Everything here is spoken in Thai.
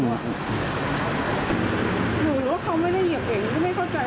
หรือว่าเขาไม่ได้เหยียบเบรกก็ไม่เข้าใจ